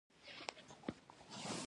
هغې د حساس دښته په اړه خوږه موسکا هم وکړه.